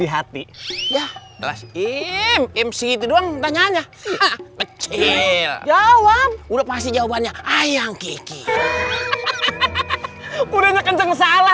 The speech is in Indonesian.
hati ya belas imc doang tanya kecil jawab udah pasti jawabannya ayam kiki udah kenceng salah